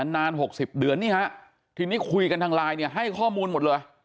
นาน๖๐เดือนนี่ฮะทีนี้คุยกันทางไลน์เนี่ยให้ข้อมูลหมดเลย